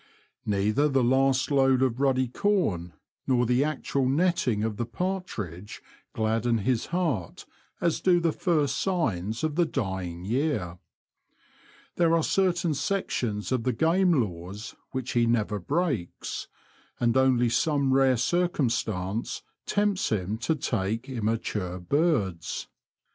Neither the last load of ruddy corn, nor the actual netting of the partridge gladden his heart as do the first signs of the dying year. There are certain sections of the Game Laws which he never breaks, and only some rare circumstance tempts him to take immature birds.